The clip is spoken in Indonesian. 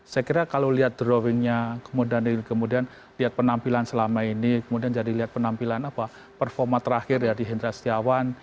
saya kira kalau lihat drawingnya kemudian lihat penampilan selama ini kemudian jadi lihat penampilan apa performa terakhir ya di hendra setiawan